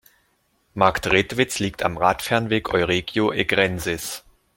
Marktredwitz liegt am Radfernweg Euregio Egrensis.